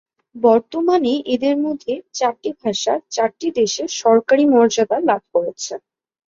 বর্তমানে এদের মধ্যে চারটি ভাষা চারটি দেশে সরকারী মর্যাদা লাভ করেছে।